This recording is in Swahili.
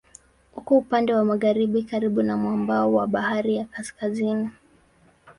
Uko upande wa magharibi karibu na mwambao wa Bahari ya Kaskazini.